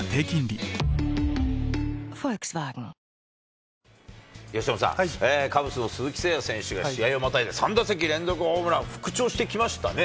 新発売由伸さん、カブスの鈴木誠也選手、試合をまたいで３打席連続ホームラン、復調してきましたね。